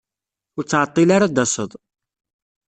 Ur ttɛeḍḍil ara ad d-tased.